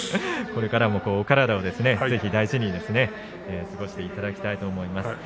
これからも体を大事に過ごしていただきたいと思います。